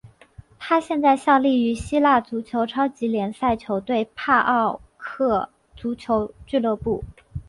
他现在效力于希腊足球超级联赛球队帕奥克足球俱乐部。